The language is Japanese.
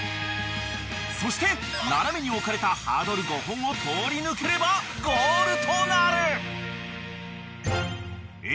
［そして斜めに置かれたハードル５本を通り抜ければゴールとなる］